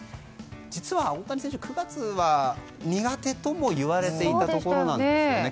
実は大谷選手、９月は苦手ともいわれていたところなんですよね。